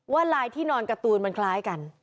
ลายที่นอนการ์ตูนมันคล้ายกัน